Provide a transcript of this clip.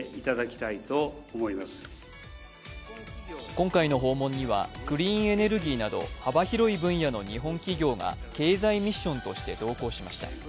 今回の訪問には、クリーンエネルギーなど、幅広い分野の日本企業が経済ミッションとして同行しました。